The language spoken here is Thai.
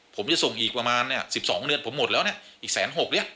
ผมจะทรงอีกประมาณ๑๒เดือนผมหมดแล้วอีก๑๖๐๐เล็ก